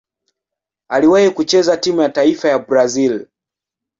Aliwahi kucheza timu ya taifa ya Brazil.